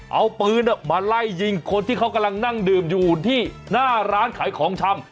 เอาปืนมาไล่ยิงคนที่เขากำลังนั่งดื่มอยู่ที่หน้าร้านขายของชำ